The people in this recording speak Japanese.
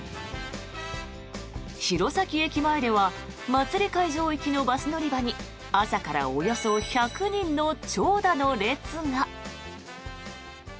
弘前駅前では祭り会場行きのバス乗り場に朝からおよそ１００人の長蛇の列が。